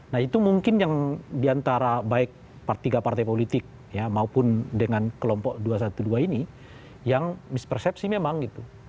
nah itu mungkin yang diantara baik tiga partai politik ya maupun dengan kelompok dua ratus dua belas ini yang mispersepsi memang gitu